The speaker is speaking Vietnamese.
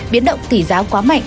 biến động tỷ giá quá mạnh